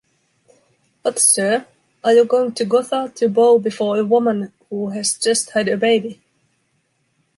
What, sir? Are you going to Gotha to bow before a woman who has just had a baby?